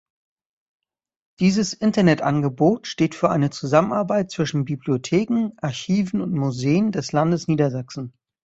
Dieses Internetangebot steht für eine Zusammenarbeit zwischen Bibliotheken, Archiven und Museen des Landes Niedersachsen.